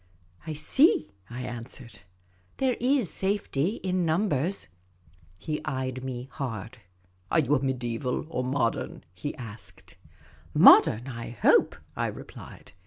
" I see," I answered, " There is safety in numbers." He eyed me hard. *' Are you mediaeval or modern ?" he asked. " Modern, I hope," I replied.